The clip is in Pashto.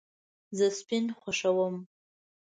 زه سپین خوښوم